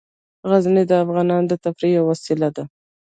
غزني د افغانانو د تفریح یوه وسیله ده.